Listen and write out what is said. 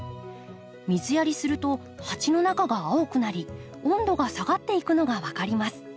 水やりすると鉢の中が青くなり温度が下がっていくのが分かります。